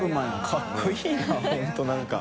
かっこいいな本当何か。